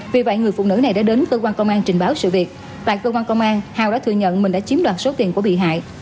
vì vậy người phụ nữ này đã đến cơ quan công an trình báo sự việc tại cơ quan công an hào đã thừa nhận mình đã chiếm đoạt số tiền của bị hại